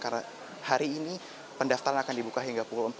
karena hari ini pendaftaran akan dibuka hingga pukul empat